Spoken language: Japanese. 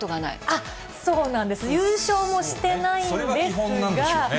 あっ、そうなんです、優勝もしてないんですが。